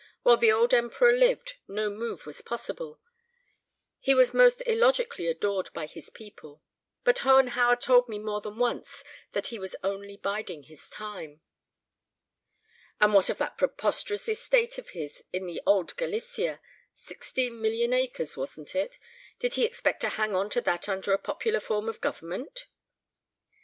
While the old Emperor lived no move was possible; he was most illogically adored by his people. But Hohenhauer told me more than once that he was only biding his time." "And what of that preposterous estate of his in the old Galicia sixteen million acres, wasn't it? Did he expect to hang on to that under a popular form of government?"